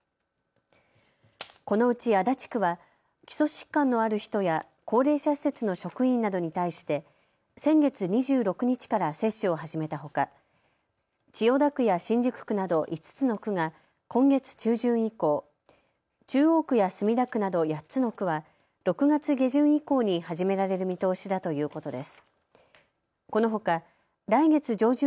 このうち足立区は基礎疾患のある人や高齢者施設の職員などに対して先月２６日から接種を始めたほか千代田区や新宿区など５つの区が今月中旬以降、中央区や墨田区など８つの区は６月下旬以降に始められる見通しだということです。